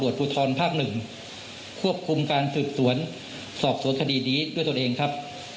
สอบสวนคดีดีด้วยตัวเองครับ